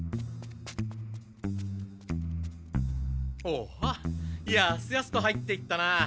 おおやすやすと入っていったな。